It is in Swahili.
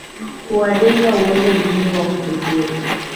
Kuwajenga uwezo mzuri wa kufikiri